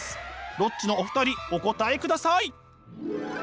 ロッチのお二人お答えください。